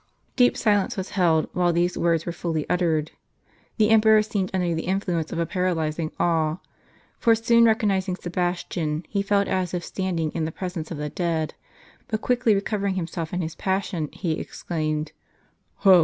Deep silence was held while these words w^ere fully uttered. The emperor seemed under the influence of a paralyzing awe; for soon recognizing Sebastian, he felt as if standing in the presence of the dead. But quickly recover ing himself and his passion, he exclaimed: "Ho!